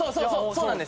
そうなんです！